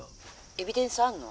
「エビデンスあるの？」。